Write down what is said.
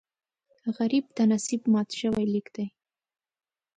غریب د نصیب مات شوی لیک دی